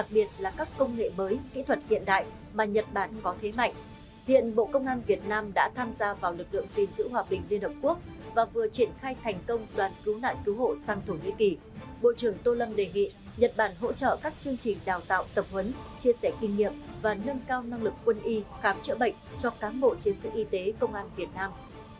và nâng cao năng lực quân y khám chữa bệnh cho cán bộ trên sự y tế công an việt nam